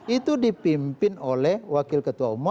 itu dipimpin oleh wakil ketua umum